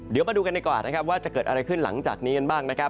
เดี๋ยวมาดูกันดีกว่านะครับว่าจะเกิดอะไรขึ้นหลังจากนี้กันบ้างนะครับ